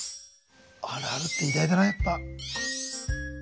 あるあるって偉大だなやっぱ。